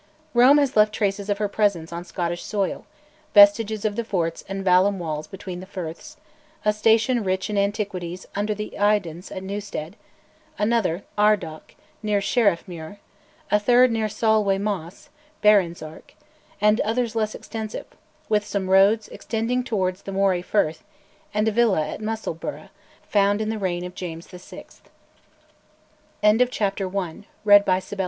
Rome has left traces of her presence on Scottish soil vestiges of the forts and vallum wall between the firths; a station rich in antiquities under the Eildons at Newstead; another, Ardoch, near Sheriffmuir; a third near Solway Moss (Birrenswark); and others less extensive, with some roads extending towards the Moray Firth; and a villa at Musselburgh, found in the reign of James VI. CHAPTER II. CHRISTIANITY THE RIVAL KINGDOMS.